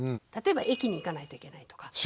例えば駅に行かないといけないとか。